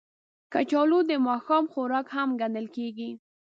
کچالو د ماښام خوراک هم ګڼل کېږي